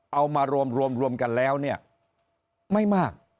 เอามารวมรวมรวมกันแล้วไม่มาก